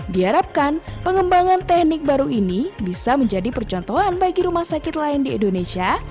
diharapkan pengembangan teknik baru ini bisa menjadi percontohan bagi rumah sakit lain di indonesia